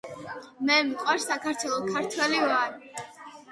მე მიყვარს საქართველო, ქართველი ვარ.